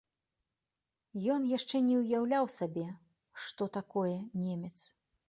Ён яшчэ не ўяўляў сабе, што такое немец.